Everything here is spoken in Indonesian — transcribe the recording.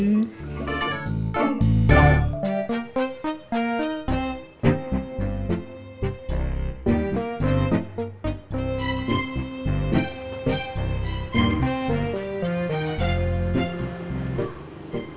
terima kasih pak